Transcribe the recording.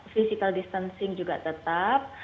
physical distancing juga tetap